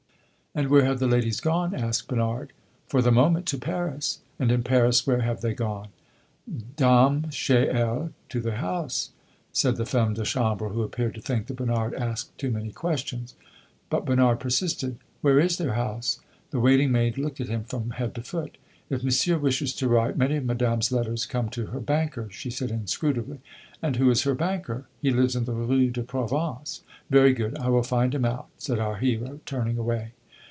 "And where have the ladies gone?" asked Bernard. "For the moment, to Paris." "And in Paris where have they gone?" "Dame, chez elles to their house," said the femme de chambre, who appeared to think that Bernard asked too many questions. But Bernard persisted. "Where is their house?" The waiting maid looked at him from head to foot. "If Monsieur wishes to write, many of Madame's letters come to her banker," she said, inscrutably. "And who is her banker?" "He lives in the Rue de Provence." "Very good I will find him out," said our hero, turning away.